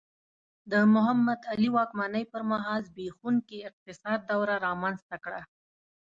د محمد علي واکمنۍ پر مهال زبېښونکي اقتصاد دوره رامنځته کړه.